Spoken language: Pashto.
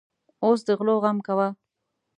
اوس د غلو غم کوه.